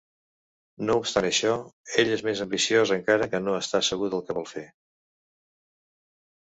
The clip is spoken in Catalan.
No obstant això, ell és més ambiciós, encara que no està segur del que vol fer.